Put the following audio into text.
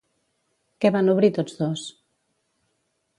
Què van obrir tots dos?